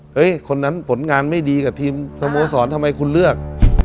คนนั้นผลงานไม่ดีกับทีมสโมสรทำไมคุณเลือก